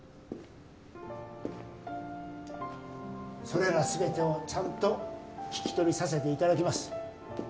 それら全てをちゃんと聞き取りさせていただきます